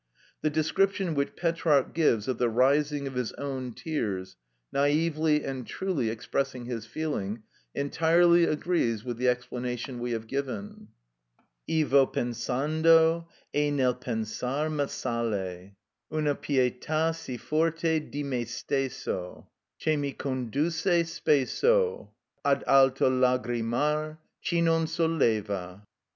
The description which Petrarch gives of the rising of his own tears, naïvely and truly expressing his feeling, entirely agrees with the explanation we have given— "I vo pensando: e nel pensar m' assale Una pietà si forte di me stesso, Che mi conduce spesso, Ad alto lagrimar, ch'i non soleva."